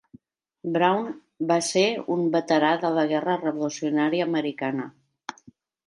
Brown va ser un veterà de la guerra revolucionària americana.